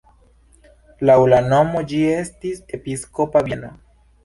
Laŭ la nomo ĝi estis episkopa bieno.